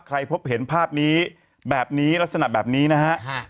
พบเห็นภาพนี้แบบนี้ลักษณะแบบนี้นะฮะ